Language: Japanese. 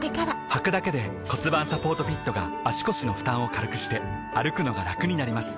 はくだけで骨盤サポートフィットが腰の負担を軽くして歩くのがラクになります